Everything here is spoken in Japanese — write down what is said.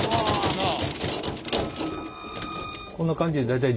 なあ。